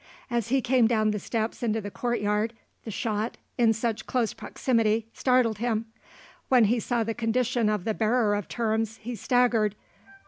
As he came down the steps into the courtyard, the shot, in such close proximity, startled him; when he saw the condition of the bearer of terms, he staggered.